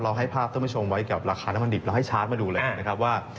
ให้ภาพท่านผู้ชมไว้กับราคาน้ำมันดิบเราให้ชาร์จมาดูเลยนะครับว่า